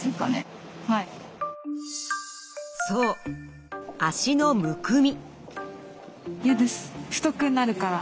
そう脚のむくみ。